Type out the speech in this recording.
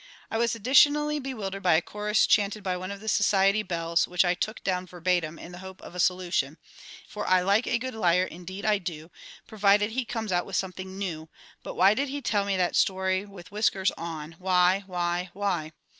I was additionally bewildered by a chorus chanted by one of the Society Belles, which I took down verbatim, in the hope of a solution. It was as follows: "For I like a good liar, indeed I do! Provided he comes out with something new! But why did he tell me that story with whiskers on, why, why, why?"